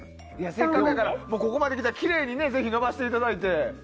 せっかくだからここまできたらきれいにぜひ伸ばしていただいて。